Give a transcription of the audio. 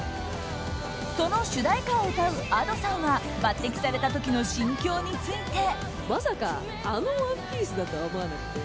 その主題歌を歌うＡｄｏさんは抜擢された時の心境について。